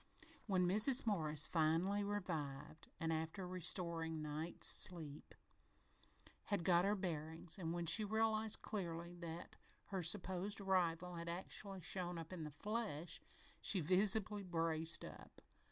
When Mrs. Morris had fully revived and, after a restoring "night's sleep" had got her bearings, and when she realized clearly that her supposed rival had actually shown up in the flesh, she visibly braced up.